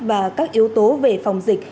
và các yếu tố về phòng dịch